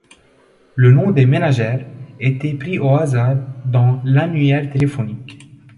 Le nom des ménagères était pris au hasard dans l’annuaire téléphonique.